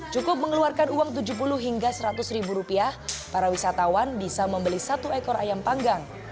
cukup mengeluarkan uang tujuh puluh hingga seratus ribu rupiah para wisatawan bisa membeli satu ekor ayam panggang